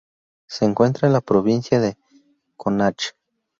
Se encuentra en la provincia de Connacht.